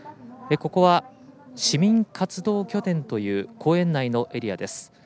ここは市民活動拠点という公園内のエリアです。